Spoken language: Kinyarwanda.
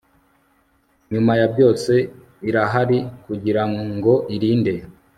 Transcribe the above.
nyuma ya byose, irahari kugirango irinde